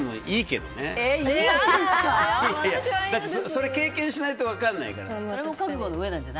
それ、経験しないと分かんないから。